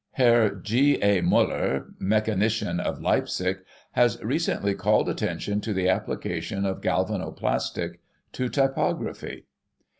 Herr G. A. Muller, mechanician of Leipsic, has recently called attention to the application of Galvano plastic to typography.